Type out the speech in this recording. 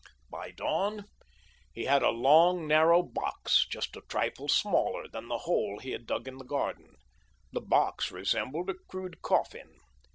By dawn, he had a long, narrow box, just a trifle smaller than the hole he had dug in the garden. The box resembled a crude coffin.